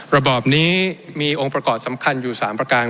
ระบอบนี้มีองค์ประกอบสำคัญอยู่๓ประการ